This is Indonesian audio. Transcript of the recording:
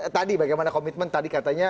tadi bagaimana komitmen tadi katanya